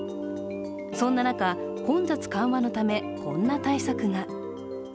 そんな中、混雑緩和のため、こんな対策が。